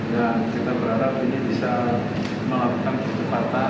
dan kita berharap ini bisa melakukan kecepatan uji